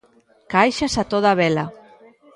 Caixas a toda vela